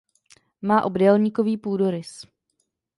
Má obdélníkový půdorys.